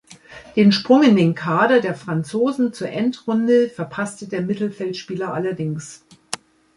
Den Sprung in den Kader der Franzosen zur Endrunde verpasste der Mittelfeldspieler allerdings.